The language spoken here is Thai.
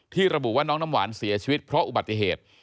ระบุว่าน้องน้ำหวานเสียชีวิตเพราะอุบัติเหตุ